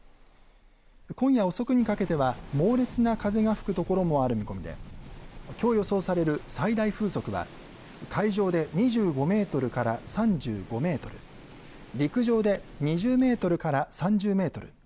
今夜遅くにかけては猛烈な風が吹くところもある見込みできょう予想される最大風速は海上で２５メートルから３５メートル陸上で２０メートルから３０メートル